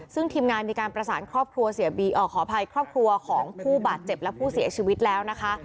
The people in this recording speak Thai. ซึ่งทีมงานมีการประสานครอบครัวเสียบีขออภัยครอบครัวของผู้บาดเจ็บและผู้เสียชีวิตแล้วนะคะ